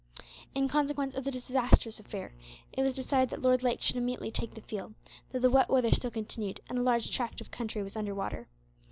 In consequence of this disastrous affair, it was decided that Lord Lake should immediately take the field; although the wet weather still continued, and a large tract of country was under water.